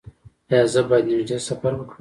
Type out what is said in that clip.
ایا زه باید نږدې سفر وکړم؟